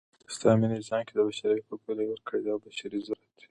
په اسلامي نظام کښي د بشر حقونه الهي ورکړه او بشري ضرورت دئ.